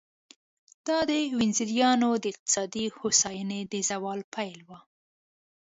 دا د وینزیانو د اقتصادي هوساینې د زوال پیل و